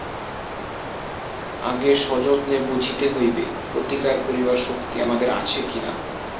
আগে সযত্নে বুঝিতে হইবে, প্রতিকার করিবার শক্তি আমাদের আছে কিনা।